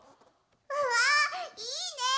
うわあいいね！